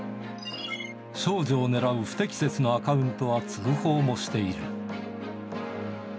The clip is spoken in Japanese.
少女を狙う不適切なアカウントは通報もしている。